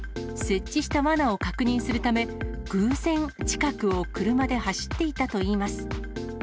設置したわなを確認するため、偶然、近くを車で走っていたといいます。